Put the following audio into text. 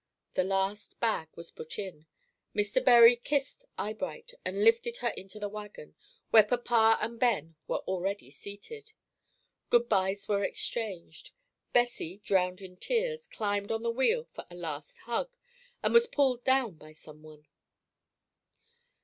The last bag was put in, Mr. Bury kissed Eyebright and lifted her into the wagon, where papa and Ben were already seated. Good bys were exchanged. Bessie, drowned in tears, climbed on the wheel for a last hug, and was pulled down by some one.